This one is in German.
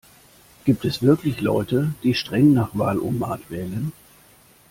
Gibt es wirklich Leute, die streng nach Wahl-o-mat wählen?